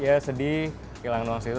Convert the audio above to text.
ya sedih hilangin doang segitu